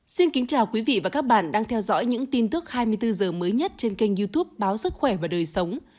xin kính chào quý vị và các bạn đang theo dõi những tin tức hai mươi bốn h mới nhất trên kênh youtube báo sức khỏe và đời sống